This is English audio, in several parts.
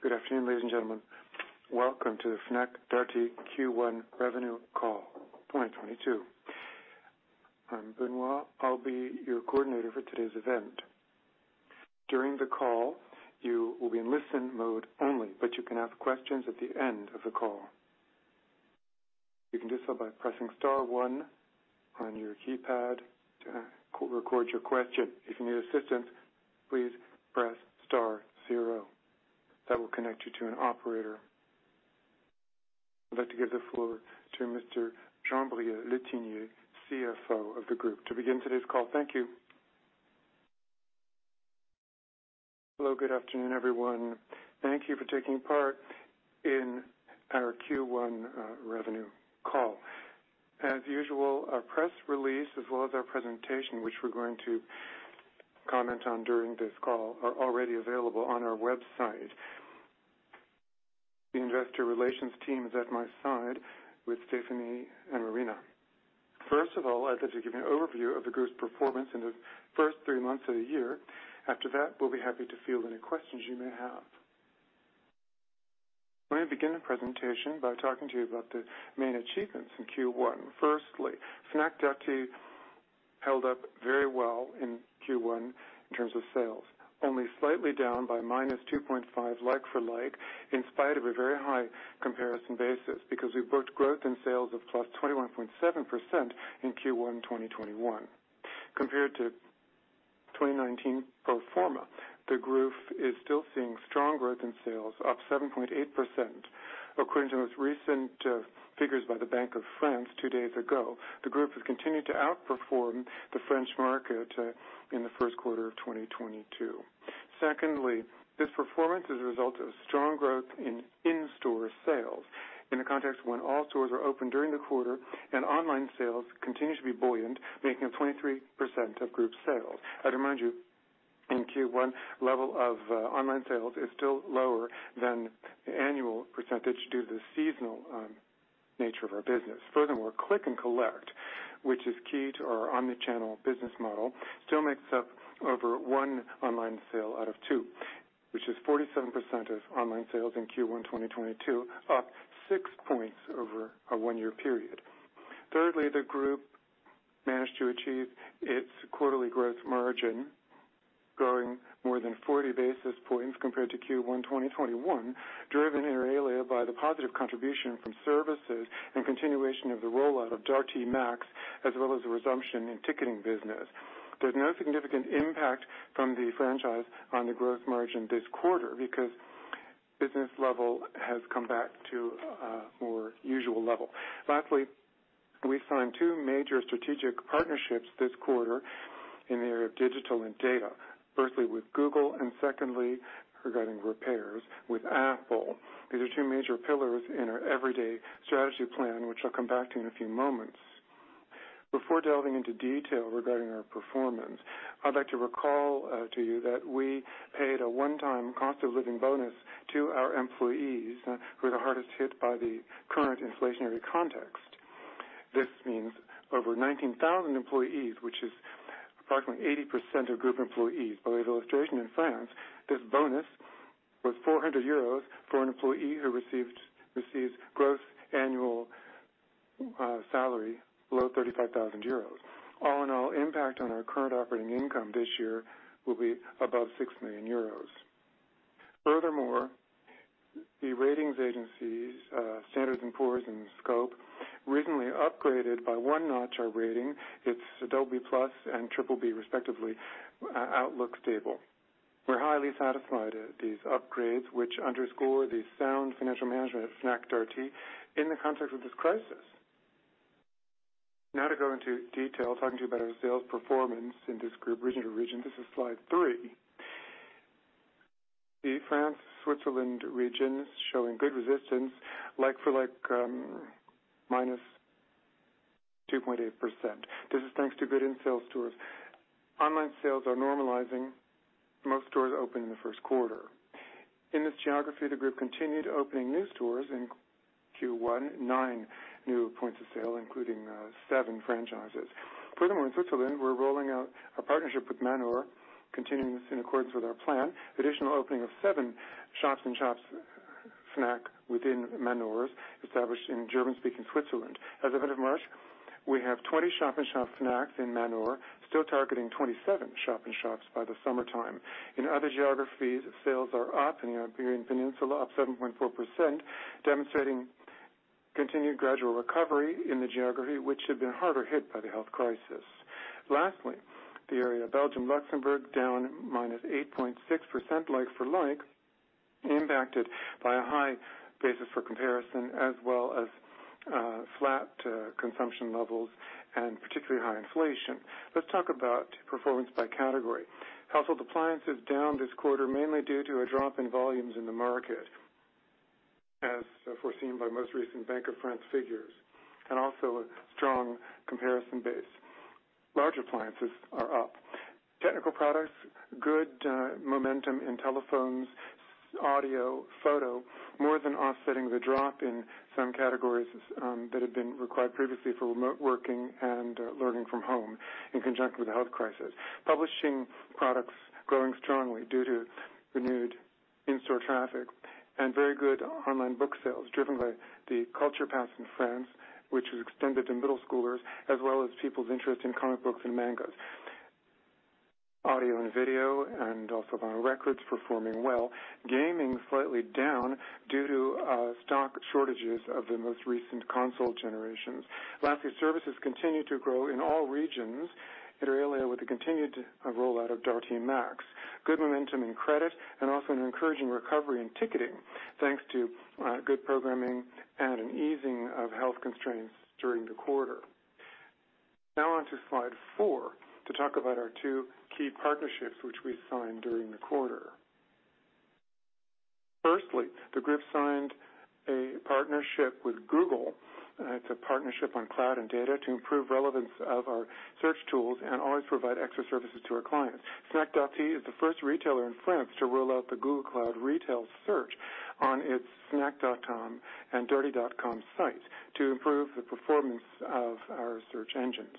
Good afternoon, ladies and gentlemen. Welcome to the Fnac Darty Q1 2022 revenue call. I'm Benoit. I'll be your coordinator for today's event. During the call, you will be in listen mode only, but you can ask questions at the end of the call. You can do so by pressing star one on your keypad to re-record your question. If you need assistance, please press star zero. That will connect you to an operator. I'd like to give the floor to Mr. Jean-Brieuc Le Tinier, CFO of the group, to begin today's call. Thank you. Hello, good afternoon, everyone. Thank you for taking part in our Q1 revenue call. As usual, our press release as well as our presentation, which we're going to comment on during this call, are already available on our website. The investor relations team is at my side with Stephenie and Marina. First of all, I'd like to give you an overview of the group's performance in the first three months of the year. After that, we'll be happy to field any questions you may have. Let me begin the presentation by talking to you about the main achievements in Q1. Firstly, Fnac Darty held up very well in Q1 in terms of sales. Only slightly down by -2.5% like-for-like, in spite of a very high comparison basis, because we've booked growth in sales of +21.7% in Q1 2021. Compared to 2019 pro forma, the group is still seeing strong growth in sales, up 7.8%. According to the most recent figures by the Banque de France two days ago, the group has continued to outperform the French market in the first quarter of 2022. Secondly, this performance is a result of strong growth in in-store sales in a context when all stores are open during the quarter and online sales continue to be buoyant, making up 23% of group sales. I'd remind you in Q1, level of, online sales is still lower than the annual percentage due to the seasonal, nature of our business. Furthermore, click and collect, which is key to our omnichannel business model, still makes up over one online sale out of two, which is 47% of online sales in Q1 2022, up 6 points over a one-year period. Thirdly, the group managed to achieve its quarterly gross margin, growing more than 40 basis points compared to Q1 2021, driven inter alia by the positive contribution from services and continuation of the rollout of Darty Max, as well as the resumption in ticketing business. There's no significant impact from the franchise on the growth margin this quarter because business level has come back to a more usual level. Lastly, we signed two major strategic partnerships this quarter in the area of digital and data. Firstly with Google and secondly, regarding repairs, with Apple. These are two major pillars in our Everyday strategy plan, which I'll come back to in a few moments. Before delving into detail regarding our performance, I'd like to recall to you that we paid a one-time cost of living bonus to our employees who are the hardest hit by the current inflationary context. This means over 19,000 employees, which is approximately 80% of group employees. By way of illustration in France, this bonus was 400 euros for an employee who received, receives gross annual salary below 35,000 euros. All in all, impact on our current operating income this year will be above 6 million euros. Furthermore, the ratings agencies, Standard & Poor's and Scope Ratings, recently upgraded by one notch our rating. It's BB+ and BBB respectively, outlook stable. We're highly satisfied at these upgrades, which underscore the sound financial management of Fnac Darty in the context of this crisis. Now to go into detail, talking to you about our sales performance in this group region to region. This is slide three. The France Switzerland region is showing good resistance like-for-like, -2.8%. This is thanks to good in-store sales. Online sales are normalizing. Most stores opened in the Q1. In this geography, the group continued opening new stores in Q1, 9 new points of sale, including 7 franchises. Furthermore, in Switzerland, we're rolling out a partnership with Manor, continuing this in accordance with our plan. Additional opening of seven shop-in-shops Fnac within Manor established in German-speaking Switzerland. As of end of March, we have 20 shop-in-shop Fnacs in Manor, still targeting 27 shop-in-shops by the summertime. In other geographies, sales are up. In the Iberian Peninsula, up 7.4%, demonstrating continued gradual recovery in the geography which had been harder hit by the health crisis. Lastly, the area of Belgium, Luxembourg, down -8.6% like-for-like, impacted by a high basis for comparison as well as flat consumption levels and particularly high inflation. Let's talk about performance by category. Household appliances down this quarter, mainly due to a drop in volumes in the market as foreseen by most recent Banque de France figures, and also a strong comparison base. Large appliances are up. Technical products, good momentum in telephones, audio. More than offsetting the drop in some categories, that have been required previously for remote working and learning from home in conjunction with the health crisis. Publishing products growing strongly due to renewed in-store traffic and very good online book sales driven by the Pass Culture in France, which was extended to middle schoolers as well as people's interest in comic books and mangas. Audio and video and also vinyl records performing well. Gaming slightly down due to stock shortages of the most recent console generations. Lastly, services continue to grow in all regions, inter alia, with the continued rollout of Darty Max. Good momentum in credit and also an encouraging recovery in ticketing thanks to good programming and an easing of health constraints during the quarter. Now on to slide four to talk about our two key partnerships which we signed during the quarter. Firstly, the group signed a partnership with Google. It's a partnership on cloud and data to improve relevance of our search tools and always provide extra services to our clients. Fnac Darty is the first retailer in France to roll out the Google Cloud Retail Search on its fnac.com and darty.com site to improve the performance of our search engines.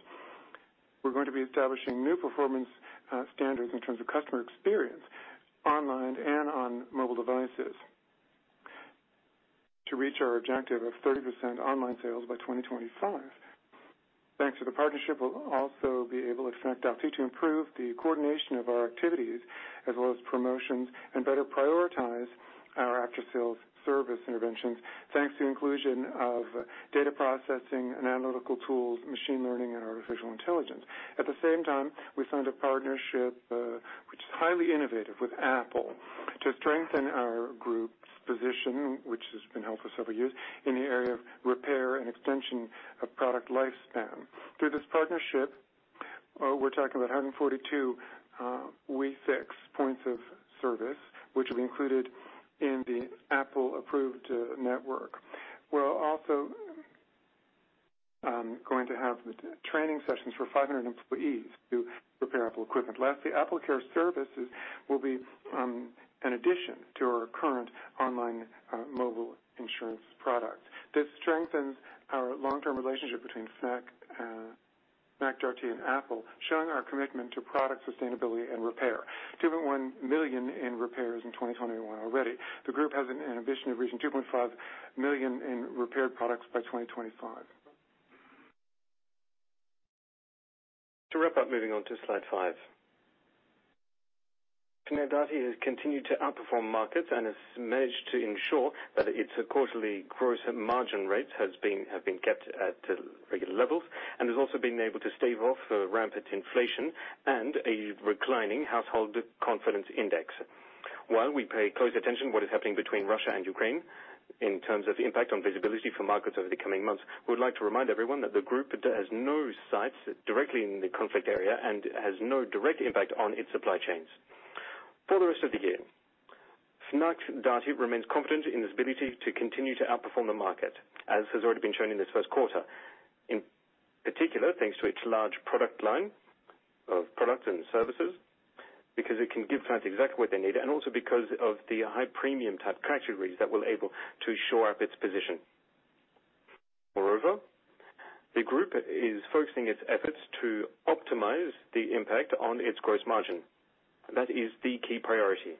We're going to be establishing new performance standards in terms of customer experience online and on mobile devices to reach our objective of 30% online sales by 2025. Thanks to the partnership, we'll also be able at Fnac Darty to improve the coordination of our activities as well as promotions and better prioritize our after-sales service interventions, thanks to inclusion of data processing and analytical tools, machine learning and artificial intelligence. At the same time, we signed a partnership, which is highly innovative with Apple to strengthen our group's position, which has been helpful several years in the area of repair and extension of product lifespan. Through this partnership, we're talking about having 42 WeFix points of service, which will be included in the Apple approved network. We're also going to have training sessions for 500 employees to repair Apple equipment. Lastly, AppleCare services will be an addition to our current online mobile insurance product. This strengthens our long-term relationship between Fnac Darty and Apple, showing our commitment to product sustainability and repair. 2.1 million repairs in 2021 already. The group has an ambition of reaching 2.5 million repaired products by 2025. To wrap up, moving on to slide five. Fnac Darty has continued to outperform markets and has managed to ensure that its quarterly gross margin rates have been kept at regular levels and has also been able to stave off rampant inflation and a declining household confidence index. While we pay close attention to what is happening between Russia and Ukraine in terms of impact on visibility for markets over the coming months, we would like to remind everyone that the group has no sites directly in the conflict area and has no direct impact on its supply chains. For the rest of the year, Fnac Darty remains confident in its ability to continue to outperform the market, as has already been shown in this Q1. In particular, thanks to its large product line of products and services, because it can give fans exactly what they need, and also because of the high premium type categories that will be able to shore up its position. Moreover, the group is focusing its efforts to optimize the impact on its gross margin. That is the key priority.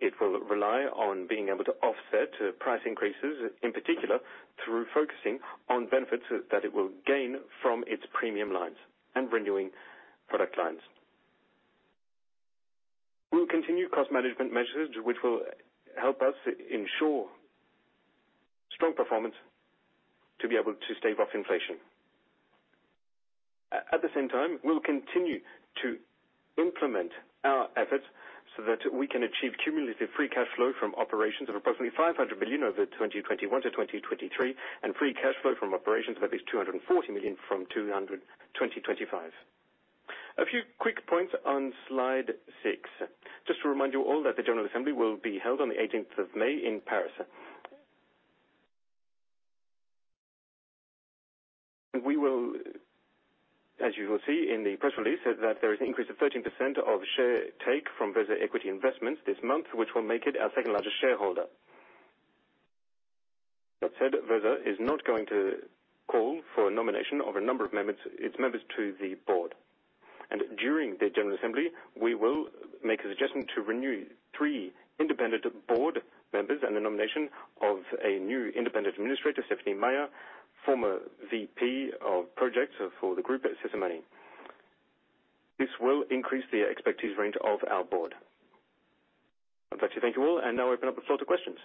It will rely on being able to offset price increases, in particular through focusing on benefits that it will gain from its premium lines and renewing product lines. We'll continue cost management measures, which will help us ensure strong performance to be able to stave off inflation. At the same time, we'll continue to implement our efforts so that we can achieve cumulative free cash flow from operations of approximately 500 million over 2021 to 2023 and free cash flow from operations of at least 240 million from 2025. A few quick points on slide six. Just to remind you all that the general assembly will be held on the 18th of May in Paris. We will, as you will see in the press release, see that there is an increase of 13% of share stake from VESA Equity Investment this month, which will make it our second-largest shareholder. That said, VESA is not going to call for a nomination of a number of its members to the board. During the general assembly, we will make a suggestion to renew three independent board members and the nomination of a new independent administrator, Stephenie Meyer, former VP of projects for the group at Système U. This will increase the expertise range of our board. I'd like to thank you all, and now open up the floor to questions.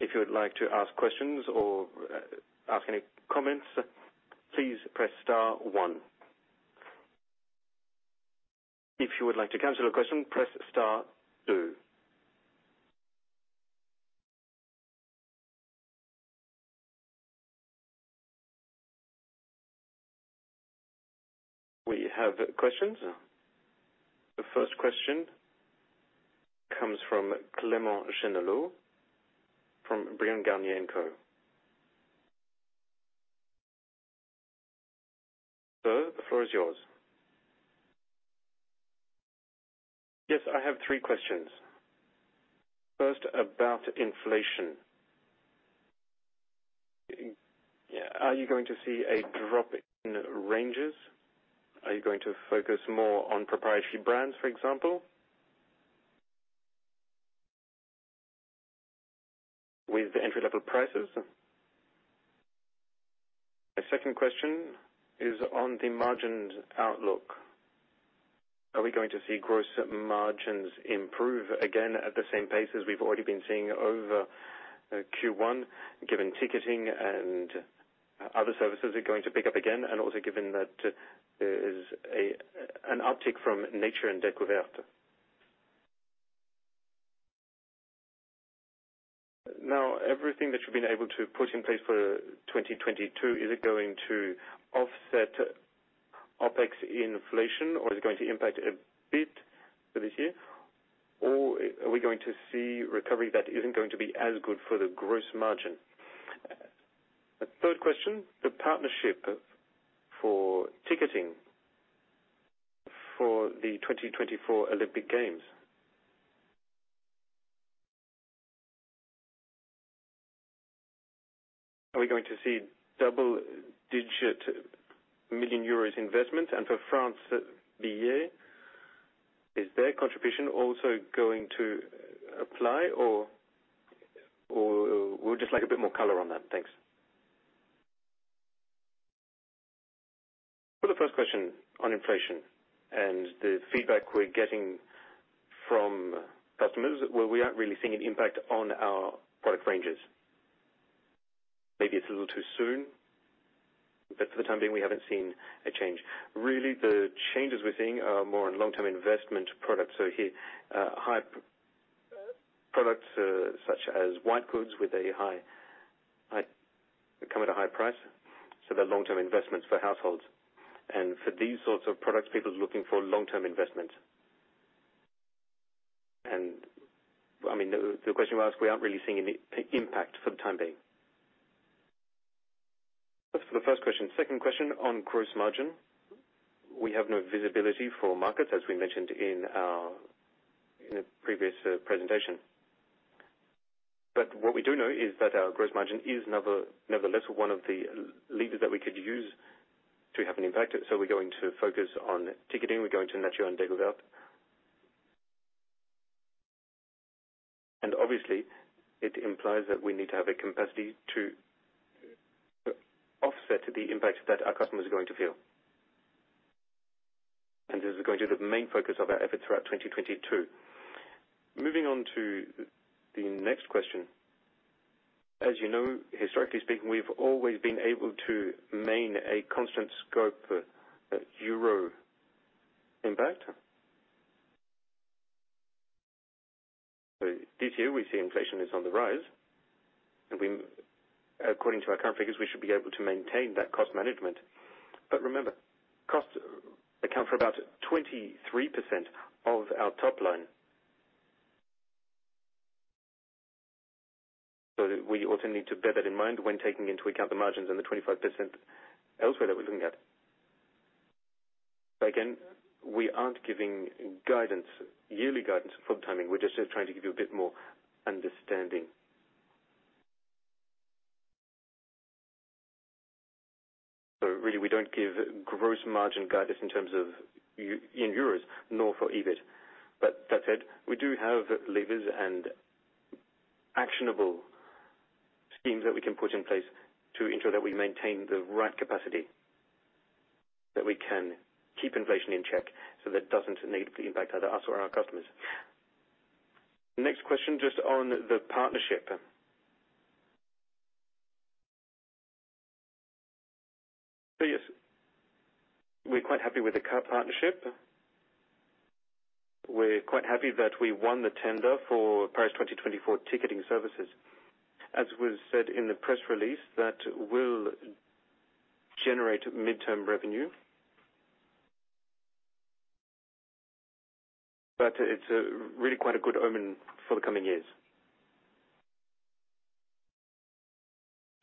If you would like to ask questions or make any comments, please press star one. If you would like to cancel a question, press star two. We have questions. The first question comes from Clément Genelot from Bryan, Garnier & Co. Sir, the floor is yours. Yes, I have three questions. First, about inflation. Yeah, are you going to see a drop in margins? Are you going to focus more on proprietary brands, for example? With the entry level prices. My second question is on the margin outlook. Are we going to see gross margins improve again at the same pace as we've already been seeing over Q1, given ticketing and other services are going to pick up again, and also given that there is an uptick from Nature & Découvertes? Now, everything that you've been able to put in place for 2022, is it going to offset OPEX inflation or is it going to impact a bit for this year? Or are we going to see recovery that isn't going to be as good for the gross margin? The third question, the partnership for ticketing for the 2024 Olympic Games. Are we going to see double-digit million EUR investment? And for France Billet, is their contribution also going to apply or we would just like a bit more color on that. Thanks. For the first question on inflation and the feedback we're getting from customers, well, we aren't really seeing an impact on our product ranges. Maybe it's a little too soon, but for the time being, we haven't seen a change. Really, the changes we're seeing are more in long-term investment products. Here, high products such as white goods with a high price. They're long-term investments for households. For these sorts of products, people are looking for long-term investment. I mean, the question we ask, we aren't really seeing an immediate impact for the time being. That's for the first question. Second question on gross margin. We have no visibility for markets, as we mentioned in a previous presentation. But what we do know is that our gross margin is nevertheless one of the levers that we could use to have an impact. We're going to focus on ticketing, we're going to Nature & Découvertes. Obviously, it implies that we need to have a capacity to offset the impact that our customers are going to feel. This is going to be the main focus of our effort throughout 2022. Moving on to the next question. As you know, historically speaking, we've always been able to maintain a constant scope of euro impact. This year we see inflation is on the rise, according to our current figures, we should be able to maintain that cost management. Remember, costs account for about 23% of our top line. We also need to bear that in mind when taking into account the margins and the 25% elsewhere that we're looking at. Again, we aren't giving guidance, yearly guidance for timing. We're just trying to give you a bit more understanding. Really, we don't give gross margin guidance in terms of euros nor for EBIT. That said, we do have levers and actionable schemes that we can put in place to ensure that we maintain the right capacity, that we can keep inflation in check, so that it doesn't negatively impact either us or our customers. Next question, just on the partnership. Yes, we're quite happy with the current partnership. We're quite happy that we won the tender for Paris 2024 ticketing services. As was said in the press release, that will generate midterm revenue. It's really quite a good omen for the coming years.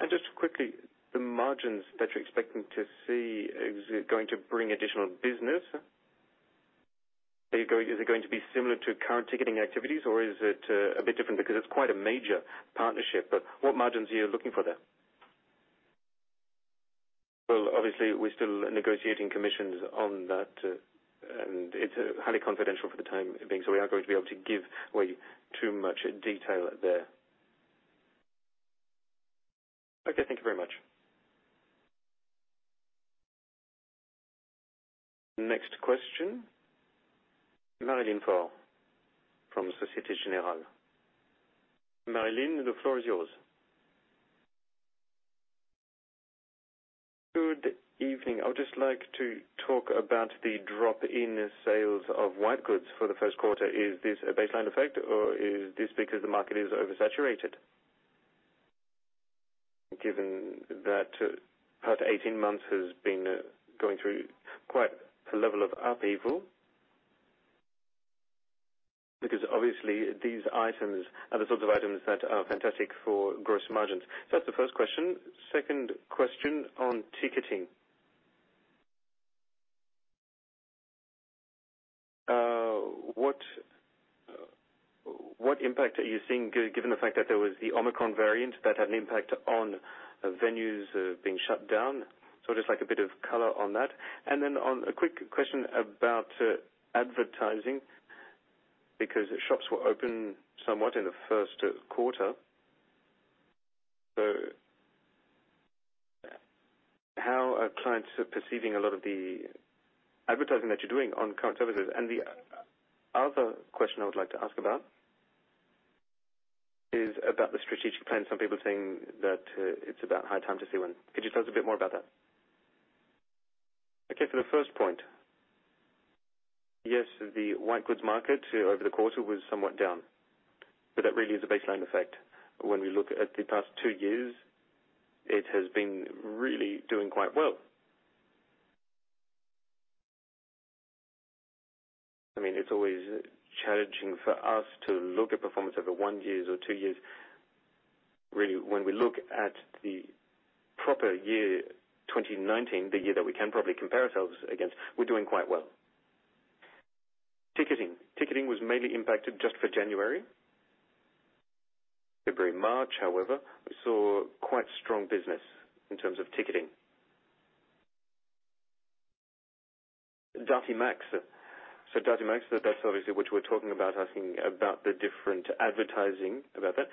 Just quickly, the margins that you're expecting to see, is it going to bring additional business? Is it going to be similar to current ticketing activities, or is it a bit different? Because it's quite a major partnership. What margins are you looking for there? Well, obviously, we're still negotiating commissions on that, and it's highly confidential for the time being, so we aren't going to be able to give way too much detail there. Okay, thank you very much. Next question, Marie-Line Fort from Société Générale. Marianne, the floor is yours. Good evening. I would just like to talk about the drop in sales of white goods for the first quarter. Is this a baseline effect or is this because the market is oversaturated? Given that the past 18 months have been going through quite a level of upheaval. Obviously, these items are the sorts of items that are fantastic for gross margins. That's the first question. Second question on ticketing. What impact are you seeing given the fact that there was the Omicron variant that had an impact on venues being shut down? Just like a bit of color on that. On a quick question about advertising because the shops were open somewhat in the Q1. How are clients perceiving a lot of the advertising that you are doing on current services? The other question I would like to ask about is about the strategic plan. Some people are saying that it's about high time to see when. Could you tell us a bit more about that? Okay. For the first point, yes, the white goods market over the quarter was somewhat down, but that really is a baseline effect. When we look at the past two years, it has been really doing quite well. I mean, it's always challenging for us to look at performance over one years or two years. Really, when we look at the proper year, 2019, the year that we can probably compare ourselves against, we're doing quite well. Ticketing. Ticketing was mainly impacted just for January. February, March, however, we saw quite strong business in terms of ticketing. Darty Max. Darty Max, that's obviously what you were talking about, asking about the different advertising about that.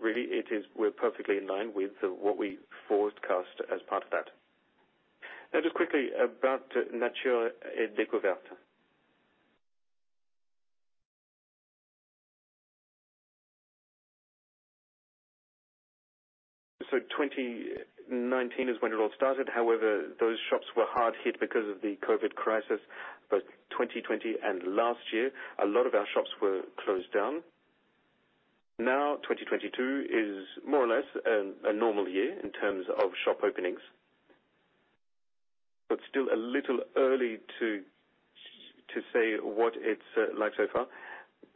Really, it is. We're perfectly in line with what we forecast as part of that. Just quickly about Nature & Découvertes. 2019 is when it all started. However, those shops were hard hit because of the COVID crisis. Both 2020 and last year, a lot of our shops were closed down. 2022 is more or less a normal year in terms of shop openings. Still a little early to say what it's like so far,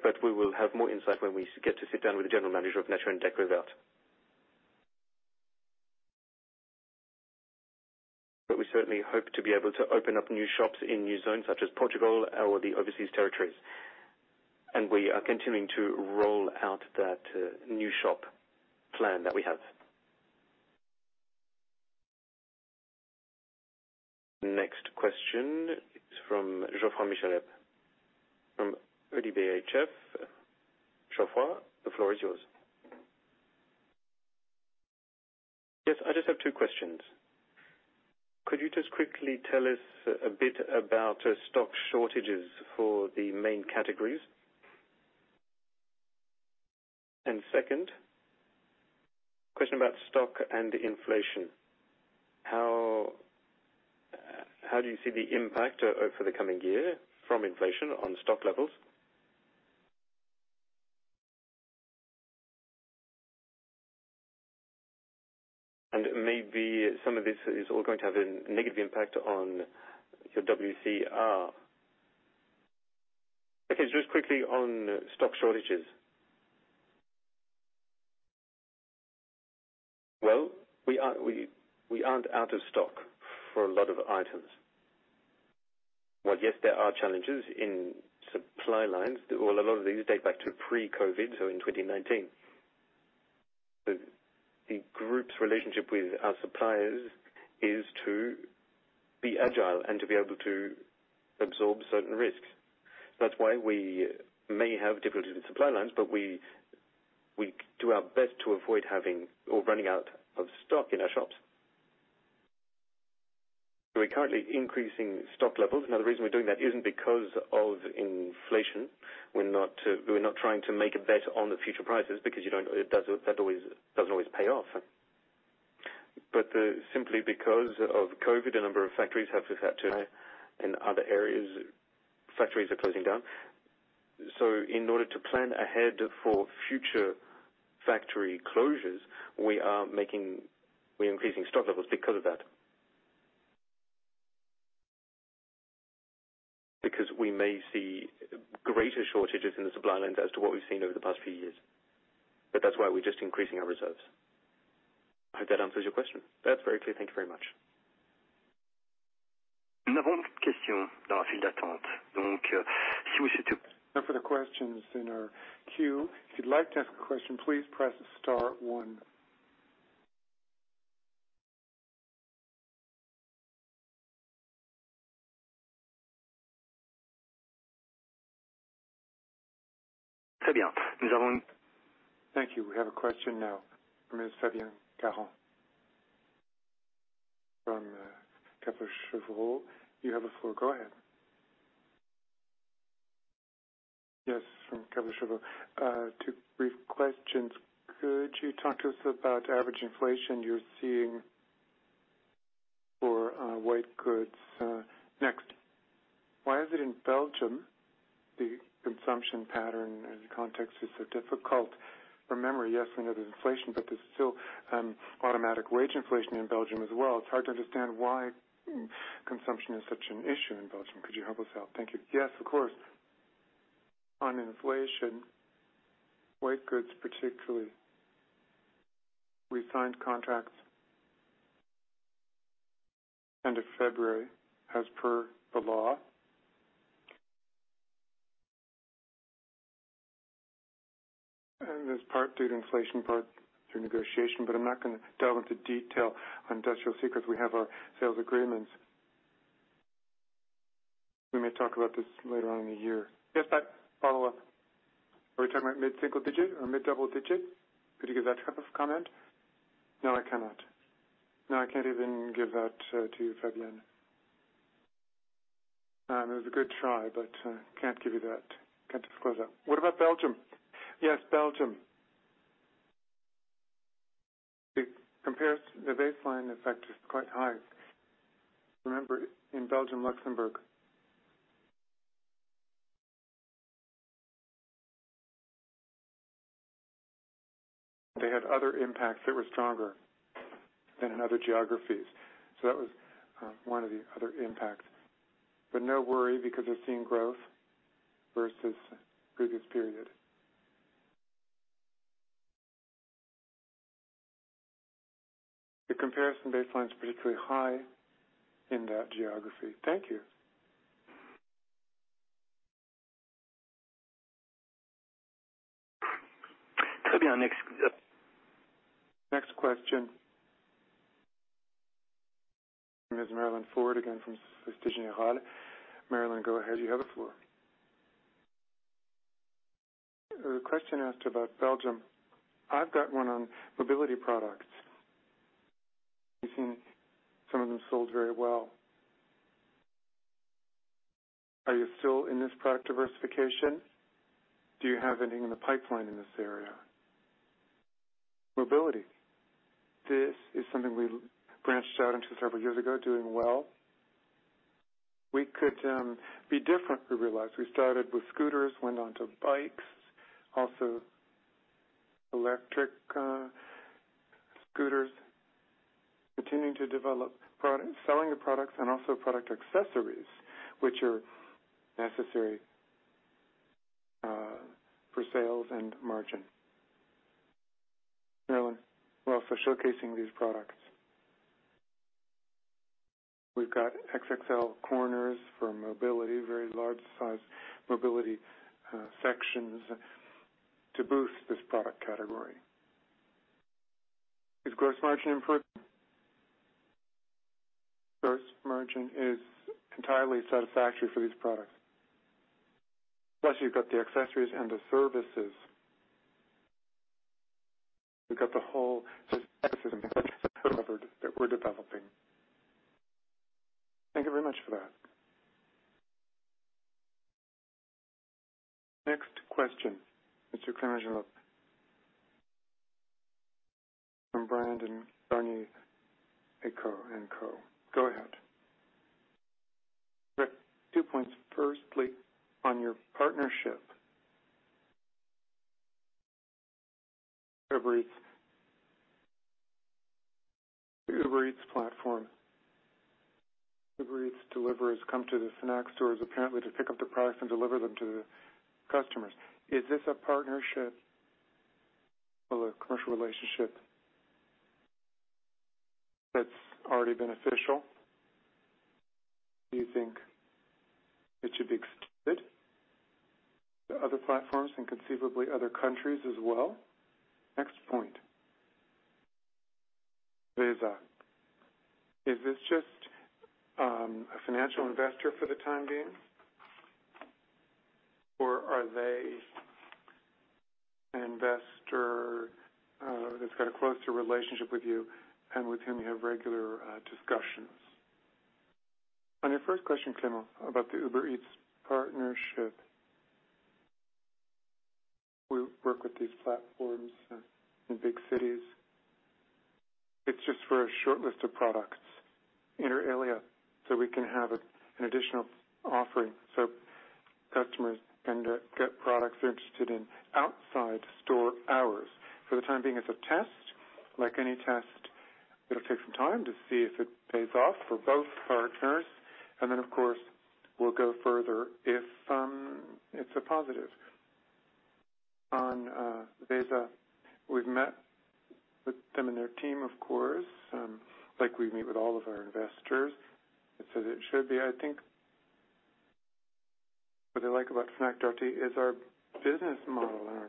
but we will have more insight when we get to sit down with the general manager of Nature & Découvertes. We certainly hope to be able to open up new shops in new zones such as Portugal or the overseas territories. We are continuing to roll out that new shop plan that we have. Next question is from Geoffroy Michalet from ODDO BHF. Geoffroy, the floor is yours. Yes, I just have two questions. Could you just quickly tell us a bit about stock shortages for the main categories? Second question about stock and inflation. How do you see the impact over the coming year from inflation on stock levels? Maybe some of this is all going to have a negative impact on your WCR. Okay. Just quickly on stock shortages. Well, we aren't out of stock for a lot of items. While yes, there are challenges in supply lines. Well, a lot of these date back to pre-COVID, so in 2019. The group's relationship with our suppliers is to be agile and to be able to absorb certain risks. That's why we may have difficulty with supply lines, but we do our best to avoid having or running out of stock in our shops. We're currently increasing stock levels. Now, the reason we're doing that isn't because of inflation. We're not trying to make a bet on the future prices because it doesn't always pay off. Simply because of COVID, a number of factories have just had to. In other areas, factories are closing down. In order to plan ahead for future factory closures, we're increasing stock levels because of that. Because we may see greater shortages in the supply lines as to what we've seen over the past few years. That's why we're just increasing our reserves. I hope that answers your question. That's very clear. Thank you very much. We have a question now from Fabien Caron from Kepler Cheuvreux. You have the floor. Go ahead. Yes, from Kepler Cheuvreux. Two brief questions. Could you talk to us about average inflation you're seeing for white goods? Next, why is it in Belgium, the consumption pattern and context is so difficult? From memory, yes, we know there's inflation, but there's still automatic wage inflation in Belgium as well. It's hard to understand why consumption is such an issue in Belgium. Could you help us out? Thank you. Yes, of course. On inflation, white goods, particularly, we signed contracts end of February as per the law. It's part due to inflation, part through negotiation. I'm not gonna delve into detail on industrial secrets. We have our sales agreements. We may talk about this later on in the year. Yes, follow-up. Are we talking about mid-single digit or mid-double digit? Could you give that type of comment? No, I cannot. No, I can't even give that to you, Fabien. It was a good try, but can't give you that, can't disclose that. What about Belgium? Yes, Belgium. The baseline effect is quite high. Remember, in Belgium, Luxembourg. They had other impacts that were stronger than in other geographies, so that was one of the other impacts. No worry because they're seeing growth versus previous period. The comparison baseline is particularly high in that geography. Thank you. Fabien, next. Next question. It is Marianne Paul again from Société Générale. Marianne, go ahead. You have the floor. A question asked about Belgium. I've got one on mobility products. You've seen some of them sold very well. Are you still in this product diversification? Do you have anything in the pipeline in this area? Mobility. This is something we branched out into several years ago, doing well. We could be different, we realized. We started with scooters, went on to bikes, also electric scooters. Continuing to develop products, selling the products, and also product accessories, which are necessary for sales and margin. Marianne. We're also showcasing these products. We've got XXL corners for mobility, very large size mobility sections to boost this product category. Is gross margin improved? Gross margin is entirely satisfactory for these products. Plus you've got the accessories and the services. We've got the whole system covered that we're developing. Thank you very much for that. Next question, Mr. Clément Genelot. From Bryan, Garnier & Co. Go ahead. Two points. Firstly, on your partnership. Uber Eats. The Uber Eats platform. Uber Eats delivers, come to the Fnac stores, apparently, to pick up the products and deliver them to the customers. Is this a partnership or a commercial relationship that's already beneficial? Do you think it should be expanded to other platforms and conceivably other countries as well? Next point. VESA. Is this just a financial investor for the time being? Or are they an investor that's got a closer relationship with you and with whom you have regular discussions? On your first question, Clément, about the Uber Eats partnership. We work with these platforms in big cities. It's just for a short list of products, inter alia, so we can have an additional offering, so customers can get products they're interested in outside store hours. For the time being, it's a test. Like any test, it'll take some time to see if it pays off for both partners. Of course, we'll go further if it's a positive. On VESA, we've met with them and their team, of course, like we meet with all of our investors. It's as it should be, I think. What they like about Fnac Darty is our business model and our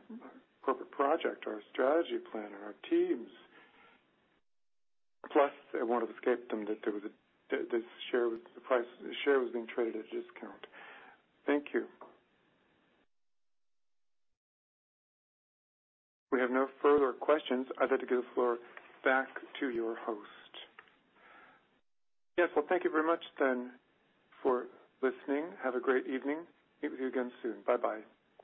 corporate project, our strategy plan, and our teams. Plus, it won't have escaped them that the price of the share was being traded at a discount. Thank you. We have no further questions. I'd like to give the floor back to your host. Yes. Well, thank you very much then for listening. Have a great evening. Meet with you again soon. Bye-bye.